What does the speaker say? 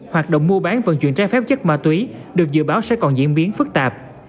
hoạt động mua bán vận chuyển trái phép chất ma túy được dự báo sẽ còn diễn biến phức tạp